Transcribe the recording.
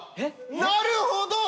なるほど。